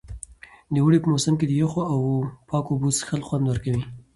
د اوړي په موسم کې د یخو او پاکو اوبو څښل خوند ورکوي.